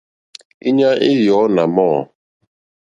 Íɲá í yɔ̀ɔ́ nà mɔ̂.